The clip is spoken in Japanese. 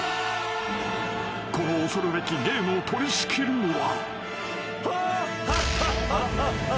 ［この恐るべきゲームを取り仕切るのは］